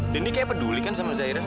dendi kayak peduli kan sama zaira